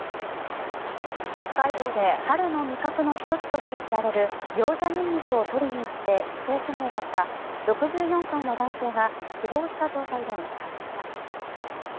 北海道で春の味覚の１つとして知られるギョウジャニンニクを採りに行って行方不明だった６４歳の男性が死亡した状態で見つかりました。